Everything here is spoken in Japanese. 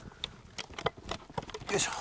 よいしょ。